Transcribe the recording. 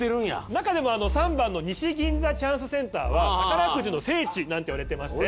なかでも３番の西銀座チャンスセンターは宝くじの聖地なんていわれてまして。